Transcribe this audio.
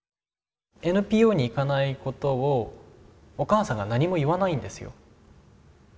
ＮＰＯに行かないことをお母さんが何も言わないんですよ。